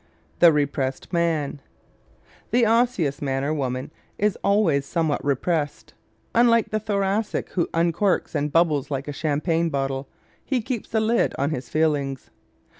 The Repressed Man ¶ The Osseous man or woman is always somewhat repressed. Unlike the Thoracic, who uncorks and bubbles like a champagne bottle, he keeps the lid on his feelings.